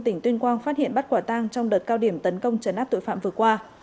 tỉnh tuyên quang phát hiện bắt quả tang trong đợt cao điểm tấn công trấn áp tội phạm vừa qua